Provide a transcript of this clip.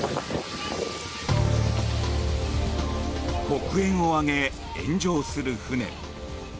黒煙を上げ、炎上する船。